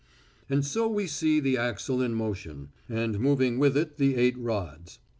"And so we see the axle in motion, and moving with it the eight rods.